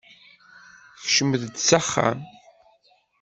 Kecmet-d s axxam!